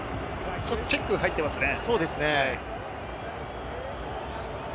ちょっとチェックが入っていますね。